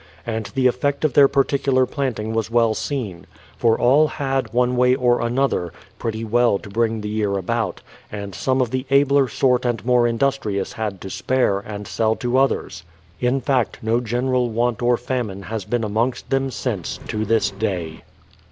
And the effect of their partic ular planting was well seen, for all had, one way or another, pretty well to bring the year about, and some of the abler sort and more industrious had to spare, and sell to others, — in fact, no general want or famine has been amongst them since, to this day.